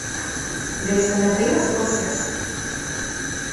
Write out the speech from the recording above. Visam ir divas puses.